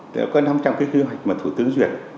đã có năm trăm linh cái quy hoạch mà thủ tướng duyệt